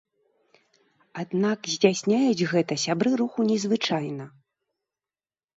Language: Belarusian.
Аднак здзяйсняюць гэта сябры руху незвычайна.